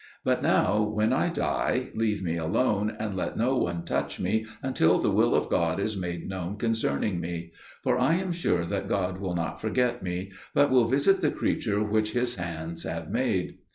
But now, when I die, leave me alone, and let no one touch me until the will of God is made known concerning me. For I am sure that God will not forget me, but will visit the creature which His hands have made.